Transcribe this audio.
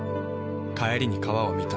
帰りに川を見た。